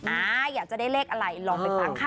อ่าอยากจะได้เลขอะไรลองไปฟังค่ะ